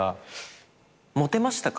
モテましたか？